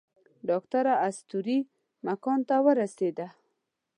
ډاکټره اساطیري مکان ته ورسېده.